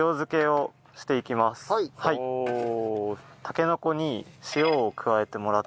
たけのこに塩を加えてもらって。